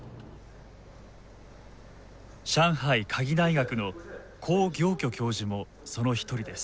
上海科技大学の黄行許教授もその一人です。